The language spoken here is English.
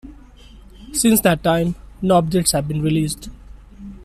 Since that time, no updates have been released.